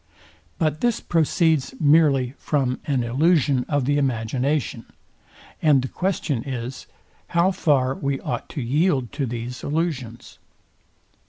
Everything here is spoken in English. But this proceeds merely from an illusion of the imagination; and the question is, how far we ought to yield to these illusions.